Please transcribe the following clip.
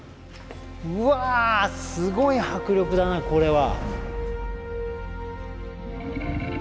うわすごい迫力だなこれは。